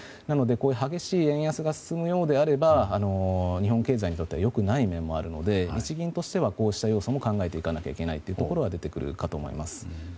激しい円安が進むようなら日本経済にとっては良くない面もあるので日銀としてはこうした要素も考えていかないといけないところが出てくると思います。